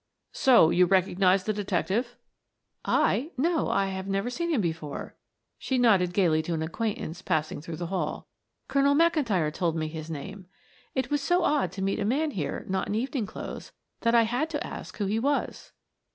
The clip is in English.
"So you recognized the detective?" "I? No; I have never seen him before" she nodded gayly to an acquaintance passing through the hall. "Colonel McIntyre told me his name. It was so odd to meet a man here not in evening clothes that I had to ask who he was."